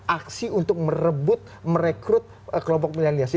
aksi untuk merebut merekrut kelompok mileniasi